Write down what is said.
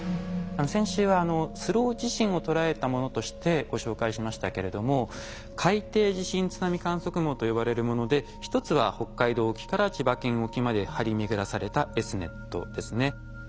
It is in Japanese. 先週はスロー地震を捉えたものとしてご紹介しましたけれども海底地震津波観測網と呼ばれるもので一つは北海道沖から千葉県沖まで張り巡らされたＳ−ｎｅｔですね。